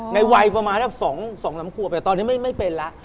ในวัยประมาณสัก๒๓ขวบแต่ตอนนี้ไม่เป็นแล้ว